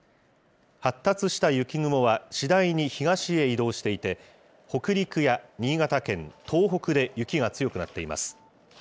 発達した雪雲は次第に東へ移動していて、北陸や新潟県、東北で雪が強くなっています。